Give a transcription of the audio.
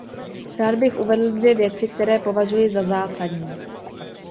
Rád bych uvedl dvě věci, které považuji za zásadní.